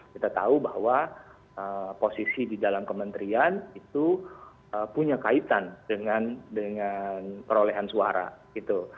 kita tahu bahwa posisi di dalam kementerian itu punya kaitan dengan perolehan suara gitu